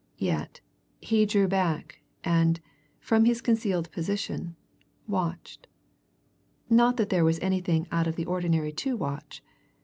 Yet, he drew back, and, from his concealed position, watched. Not that there was anything out of the ordinary to watch.